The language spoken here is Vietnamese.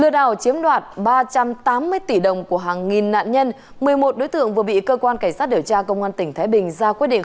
lừa đảo chiếm đoạt ba trăm tám mươi tỷ đồng của hàng nghìn nạn nhân một mươi một đối tượng vừa bị cơ quan cảnh sát điều tra công an tỉnh thái bình ra quyết định